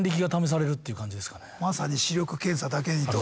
まさに視力検査だけにと？